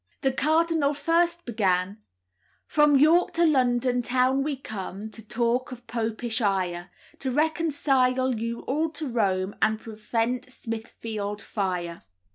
The cardinal first began: "From York to London town we come To talk of Popish ire, To reconcile you all to Rome, And prevent Smithfield fire."